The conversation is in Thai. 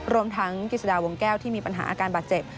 รวมทั้งกิจสดาวงแก้วที่มีปัญหาอาการบาดเจ็บ